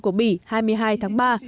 của mỹ hai mươi hai tháng ba